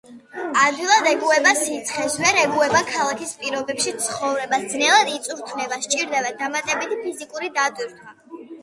ადვილად ეგუება სიცხეს, ვერ ეგუება ქალაქის პირობებში ცხოვრებას, ძნელად იწვრთნება, სჭირდება დამატებითი ფიზიკური დატვირთვა.